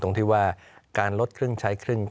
ตรงที่ว่าการลดครึ่งใช้ครึ่ง